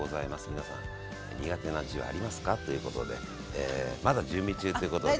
皆さん苦手な字はありますか？ということでまだ準備中ということで。